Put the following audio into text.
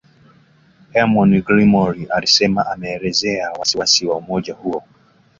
Eamon Gilmore alisema ameelezea wasi wasi wa umoja huo